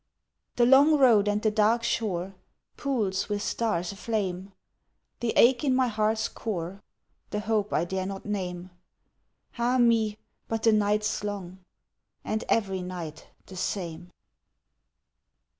The long road and the dark shore, pools with stars aflame, The ache in my heart's core, the hope I dare not name Ah, me, but the night's long and every night the same!